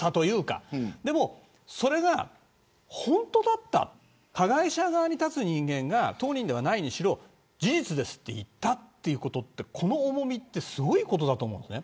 でも、それが本当だった加害者側に立つ人間が当人ではないにしろ事実だと言ったということはこの重みってすごいことだと思うんです。